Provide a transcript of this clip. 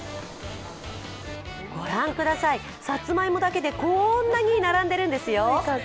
ご覧ください、さつまいもだけでこんなに並んでるんですよ。